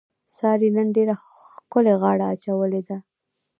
سارې نن ډېره ښکلې غاړه اچولې ده.